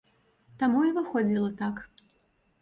Таму і выходзіла так.